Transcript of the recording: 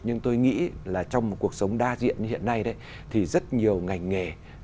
nhưng tôi nghĩ là trong một cuộc sống đa diện như hiện nay đấy thì rất nhiều ngành nghề